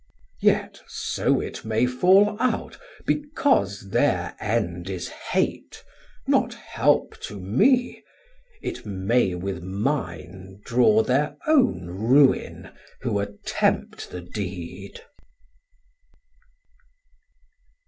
Yet so it may fall out, because thir end Is hate, not help to me, it may with mine Draw thir own ruin who attempt the deed.